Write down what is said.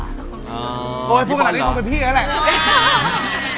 พี่บอลหรอตอนนี้คงเป็นพี่นั่นแหละ